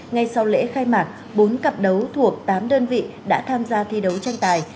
ngay sau lễ khai mạc bốn cặp đấu thuộc tám đơn vị đã tham gia thi đấu tranh tài